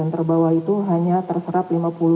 terbawah itu hanya terserap